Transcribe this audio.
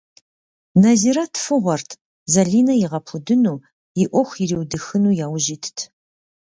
Нэзирэт фыгъуэрт, Зэлинэ игъэпудыну, и ӏуэху ириудыхыну яужь итт.